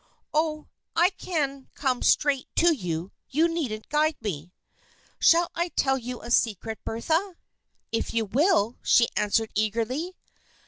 "Oh, I can come straight to you. You needn't guide me!" "Shall I tell you a secret, Bertha?" "If you will," she answered eagerly.